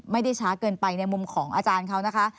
ไม่ได้ช้าเกินไปในมุมของอาจารย์เขานะคะ